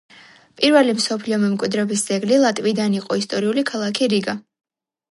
პირველი მსოფლიო მემკვიდრეობის ძეგლი ლატვიიდან იყო ისტორიული ქალაქი რიგა.